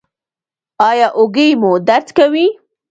ایا اوږې مو درد کوي؟